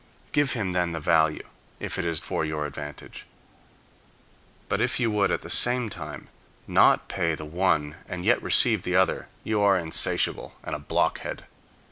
Give him then the value, if it is for your advantage. But if you would, at the same time, not pay the one and yet receive the other, you are insatiable, and a blockhead.